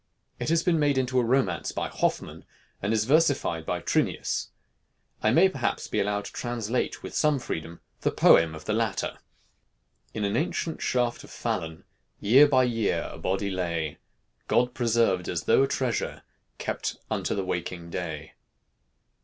It has been made into a romance by Hoffman, and is versified by Trinius. I may perhaps be allowed to translate with some freedom the poem of the latter: In an ancient shaft of Falun Year by year a body lay, God preserved, as though a treasure, Kept unto the waking day.